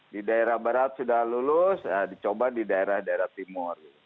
di daerah barat sudah lulus dicoba di daerah daerah timur